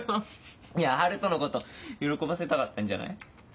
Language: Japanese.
いや春斗のこと喜ばせたかったんじゃない？